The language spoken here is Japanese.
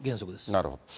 なるほど。